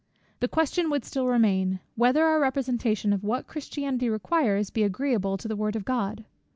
The question would still remain, whether our representation of what Christianity requires be agreeable to the word of God?